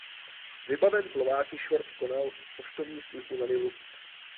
Vybaven plováky Short konal poštovní službu na Nilu.